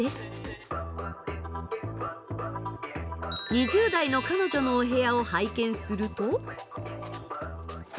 ２０代の彼女のお部屋を拝見すると。